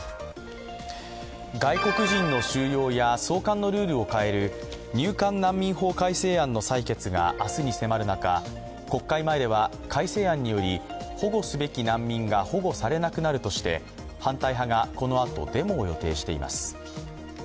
外国人の収容や送還のルールを変える入管難民法改正案の採決が、明日に迫る中国会前では改正案により保護すべき難民が保護されなくなるとして反対派がこのあとデモを予定しています。